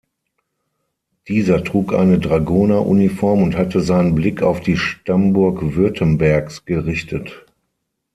Dieser trug eine Dragoner-Uniform und hatte seinen Blick „auf die Stammburg Württembergs gerichtet“.